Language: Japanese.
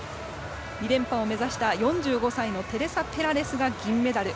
２連覇を目指した４５歳のテレサ・ペラレスが銀メダル。